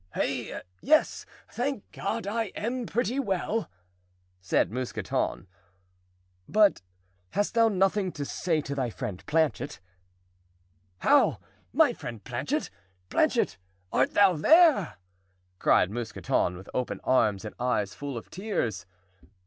"Hey, yes, thank God, I am pretty well," said Mousqueton. "But hast thou nothing to say to thy friend Planchet?" "How, my friend Planchet? Planchet—art thou there?" cried Mousqueton, with open arms and eyes full of tears.